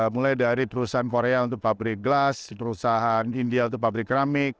mulai dari perusahaan korea untuk pabrik gelas perusahaan india untuk pabrik keramik